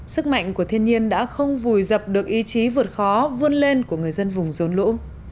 sức mạnh của thiên nhiên đã không vùi dập được ý chí vượt khó vươn lên của người dân vùng rốn lũ